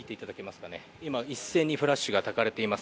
今、一斉にフラッシュがたかれています。